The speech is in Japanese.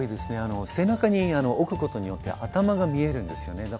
背中に置くことによって頭が見えるんですよね。